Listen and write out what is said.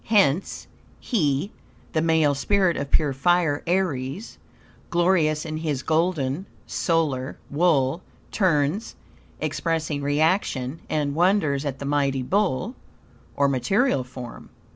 Hence "He (the male spirit of pure fire, Aries), glorious in his golden (solar) wool, turns (expressing reaction) and wonders at the mighty bull (or material form)."